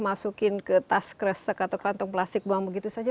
masukin ke tas kresek atau kantong plastik buang begitu saja